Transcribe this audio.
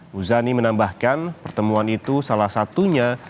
muzani menambahkan pertemuan itu salah satunya